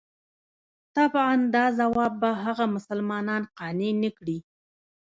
طبعاً دا ځواب به هغه مسلمانان قانع نه کړي.